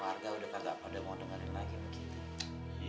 warga udah pada mau dengerin lagi begini